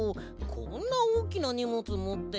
こんなおおきなにもつもって。